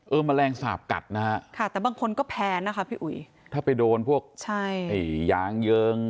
แมลงสาปกัดนะฮะค่ะแต่บางคนก็แพ้นะคะพี่อุ๋ยถ้าไปโดนพวกใช่ไอ้ยางเยิง